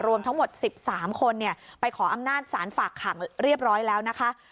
รวมทั้งหมด๑๓คนไปขออำนาจสารฝากขังเรียบร้อยแล้วนะคะ